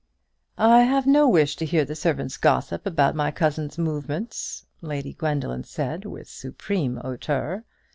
"I have no wish to hear the servants' gossip about my cousin's movements," Lady Gwendoline said, with supreme hauteur.